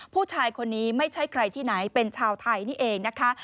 ผู้ชายคนนี้ไม่ใช่ใครที่ไหนเป็นชาวไทยนี่เองนะคะ